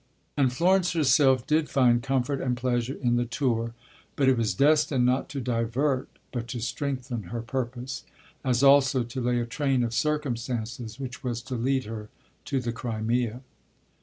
And Florence herself did find comfort and pleasure in the tour; but it was destined not to divert, but to strengthen, her purpose, as also to lay a train of circumstances which was to lead her to the Crimea.